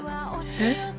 えっ？